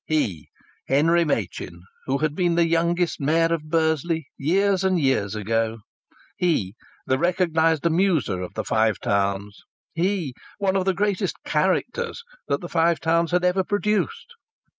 He, Henry Machin, who had been the youngest Mayor of Bursley years and years ago, he, the recognized amuser of the Five Towns, he, one of the greatest "characters" that the Five Towns had ever produced!